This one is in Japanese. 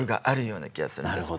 なるほど。